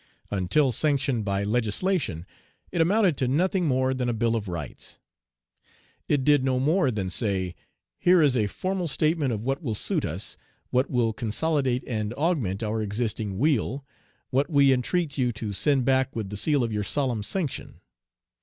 Until sanctioned by legislation, it amounted to nothing more than a bill of rights. It did no more than say, "Here is a formal statement of what will suit us, what will consolidate and augment our existing weal, what we entreat you to send back with the seal of your solemn sanction."